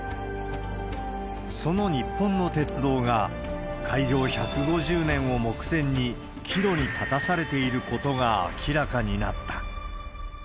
その日本の鉄道が、開業１５０年を目前に岐路に立たされていることが明らかになった。